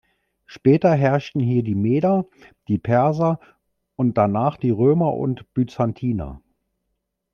Später herrschten hier die Meder, die Perser und danach die Römer und Byzantiner.